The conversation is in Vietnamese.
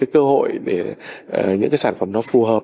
cơ hội để những cái sản phẩm nó phù hợp